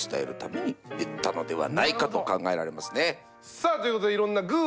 さあということでいろんな「グぅ！